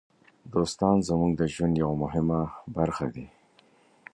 دوستان زموږ د ژوند یوه مهمه برخه دي.